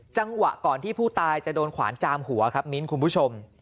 จังหวะก่อนที่ผู้ตายจะโดนขวานจามหัวครับมิ้นคุณผู้ชม